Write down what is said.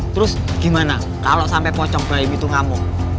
terus gimana kalau sampai pocong bayi itu ngamuk